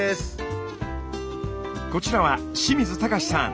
こちらは清水貴志さん。